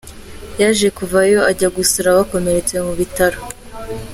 Yaje kuvayo ajya gusura abakomeretse mu bitaro.